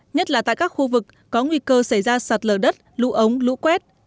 nhất là tại các khu vực có nguy cơ xảy ra sạt lở đất lũ ống lũ quét